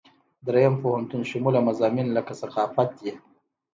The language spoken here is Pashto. دریم پوهنتون شموله مضامین لکه ثقافت دي.